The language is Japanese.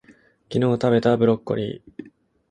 昨日たべたブロッコリー